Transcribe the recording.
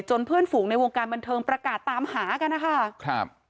เพื่อนฝูงในวงการบันเทิงประกาศตามหากันนะคะครับ